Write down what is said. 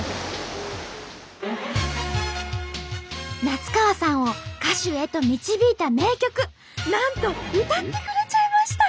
夏川さんを歌手へと導いた名曲なんと歌ってくれちゃいました！